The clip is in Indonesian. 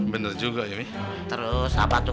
bener juga ya iya terus abah tuh